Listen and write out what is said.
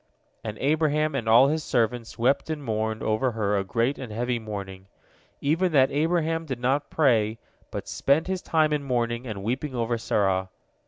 And Abraham and all his servants wept and mourned over her a great and heavy mourning, even that Abraham did not pray, but spent his time in mourning and weeping over Sarah.